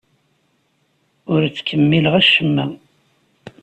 Ur ttkemmileɣ acemma.